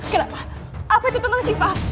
kenapa apa itu tentang sifah